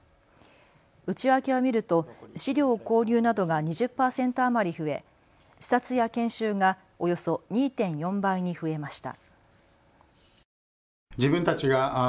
内訳を見ると資料購入などが２０％余り増え、視察や研修がおよそ２．４倍に増えました。